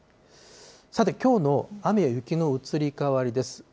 さて、きょうの雨や雪の移り変わりです。